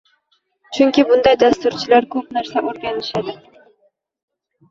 Chunki bunday dasturchilar ko’p narsa o’rganishadi